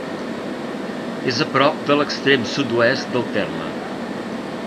És a prop de l'extrem sud-oest del terme.